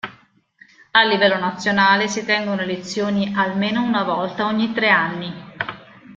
A livello nazionale si tengono elezioni almeno una volta ogni tre anni.